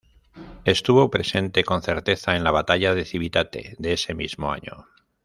Estuvo presente con certeza en la batalla de Civitate de ese mismo año.